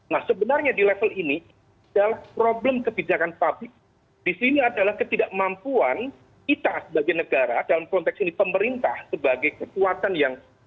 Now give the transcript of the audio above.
nah sebenarnya di level ini adalah problem kebijakan publik disini adalah ketidakmampuan kita sebagai negara dalam konteks ini pemerintah sebagai kekuatan yang